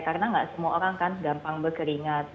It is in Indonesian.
karena gak semua orang kan gampang berkeringat